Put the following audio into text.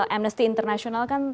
amnesty international kan